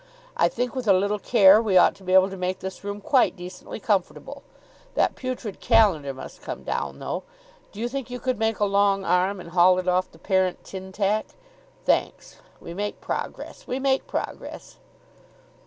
I think with a little care we ought to be able to make this room quite decently comfortable. That putrid calendar must come down, though. Do you think you could make a long arm, and haul it off the parent tin tack? Thanks. We make progress. We make progress."